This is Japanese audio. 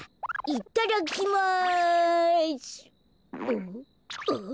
いただきます。